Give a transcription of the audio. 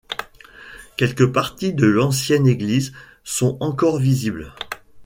Quelques parties de l'ancienne église sont encore visibles.